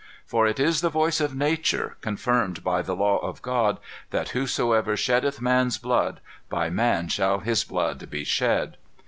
For it is the voice of nature, confirmed by the law of God, that 'whosoever sheddeth man's blood, by man shall his blood be shed.